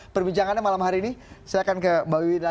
perbincangannya malam hari ini saya akan ke mbak wiwi